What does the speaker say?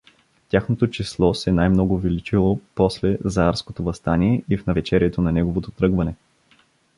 Тяхното число се най-много увеличило после Заарското въстание и в навечерието на неговото тръгвание.